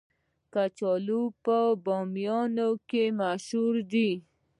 کچالو په بامیان کې مشهور دي